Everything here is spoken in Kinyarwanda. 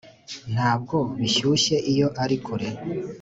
ntabwo bishyushye iyo ari kure